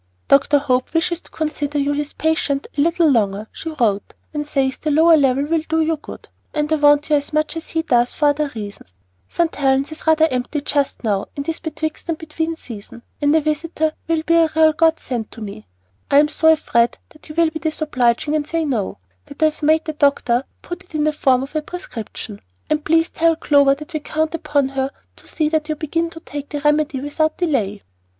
"Dr. Hope wishes to consider you his patient a little longer," she wrote, "and says the lower level will do you good; and I want you as much as he does for other reasons. St. Helen's is rather empty just now, in this betwixt and between season, and a visitor will be a real God send to me. I am so afraid that you will be disobliging, and say 'No,' that I have made the doctor put it in the form of a prescription; and please tell Clover that we count upon her to see that you begin to take the remedy without delay."